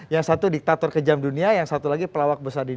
yang satu diktator kejam dunia yang satu lagi pelawak besar di dunia